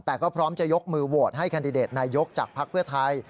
แต่ก็พร้อมจะยกมือโหวตให้แคนดิเดตนายกจากภักดิ์เพื่อไทย